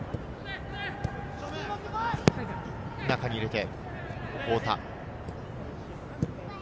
中に入れて、太田。